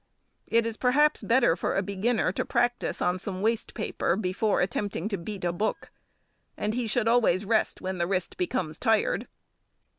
It is perhaps better for a beginner to practise on some waste paper before attempting to beat a book; and he should always rest when the wrist becomes tired.